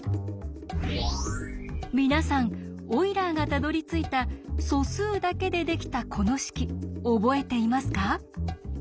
皆さんオイラーがたどりついた素数だけでできたこの式覚えていますか？